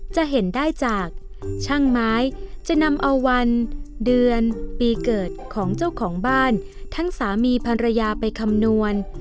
จะเห็นได้จากช่างไม้จะนำเอาวันเดือนปีเกิดของเจ้าของบ้านทั้งสามีภรรยาไปคำนวณ